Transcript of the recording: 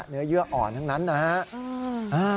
เยื่ออ่อนทั้งนั้นนะฮะ